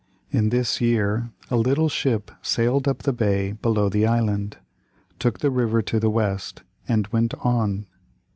In this year a little ship sailed up the bay below the island, took the river to the west, and went on.